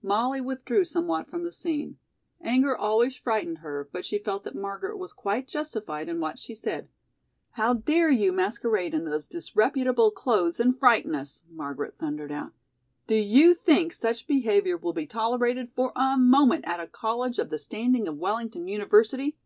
Molly withdrew somewhat from the scene. Anger always frightened her, but she felt that Margaret was quite justified in what she said. "How dare you masquerade in those disreputable clothes and frighten us?" Margaret thundered out. "Do you think such behavior will be tolerated for a moment at a college of the standing of Wellington University?